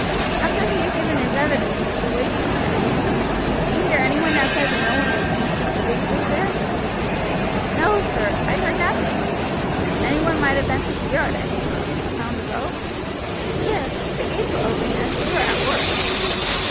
After he had given his evidence Mr. Wakefield asked: "Did you hear any one outside the mill when Mr. Mulready was there?" "No, sir; I heard nothing." "Any one might have entered the yard, I suppose, and found the rope?" "Yes; the gates were open, as we were at work."